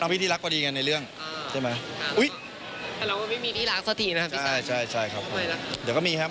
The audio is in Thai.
พี่ที่รักพอดีกันในเรื่องใช่ไหม